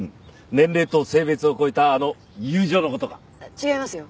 違いますよ。